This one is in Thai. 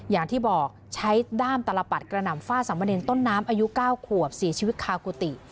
อย่างที่บอกใช้ด้ามตลปัดกระหน่ำฟาดสามเนรต้นน้ำอายุ๙ขวบเสียชีวิตคากุฏิ